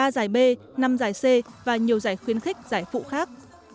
ba giải b năm giải c và nhiều giải khuyến khích giải phụ khác